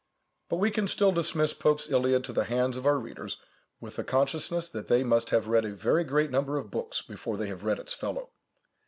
But we can still dismiss Pope's Iliad to the hands of our readers, with the consciousness that they must have read a very great number of books before they have read its fellow.